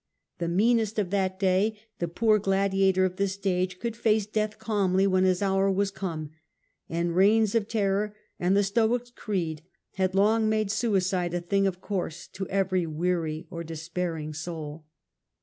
The meanest of that day, the poor gladiator of the stage, could face death calmly when his hour was come; and reigns of terror and the Stoics' creed had long made suicide a thing of course to every weary or despairing soul.